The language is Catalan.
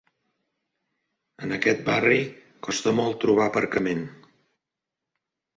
En aquest barri costa molt trobar aparcament.